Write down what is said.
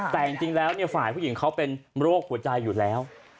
แต่จริงแล้วฝ่ายผู้หญิงเขาเป็นโรคหัวใจอยู่แล้ว